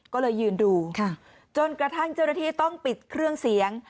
ก็เลยยืนดูจนกระทั่งเจ้าหน้าที่ต้องปิดเครื่องเสียง